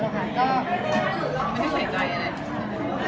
ไม่ได้ใส่ใจอะไร